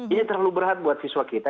ini terlalu berat buat siswa kita